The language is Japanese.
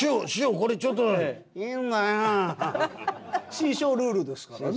志ん生ルールですからね。